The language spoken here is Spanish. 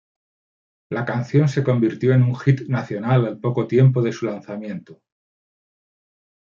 La canción se convirtió en un hit nacional al poco tiempo de su lanzamiento.